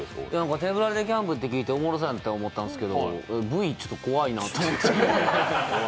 手ぶらでキャンプって聞いておもろそうだなと思ったんですけど、Ｖちょっと怖いなと思って。